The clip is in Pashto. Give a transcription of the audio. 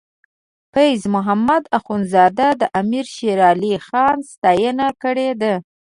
فیض محمد اخونزاده د امیر شیر علی خان ستاینه کړې ده.